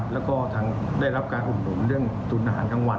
แล้วทางได้รับการข้อมบุญเรื่องศูนย์อาหารทั้งวัน